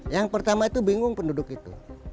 yang pertama itu bingung penduduk itu